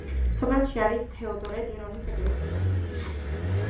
სოფელში არის თეოდორე ტირონის ეკლესია.